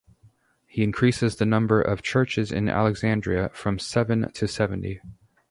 He increased the number of churches in Alexandria from seven to seventy.